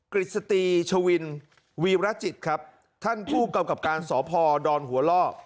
กฤษฎีชวินวีรจิตครับท่านผู้กำกับการสพดอนหัวล่อ